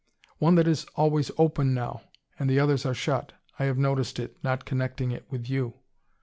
"One that is always open now and the others are shut. I have noticed it, not connecting it with you."